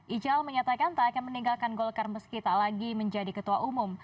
ijal menyatakan tak akan meninggalkan golkar meski tak lagi menjadi ketua umum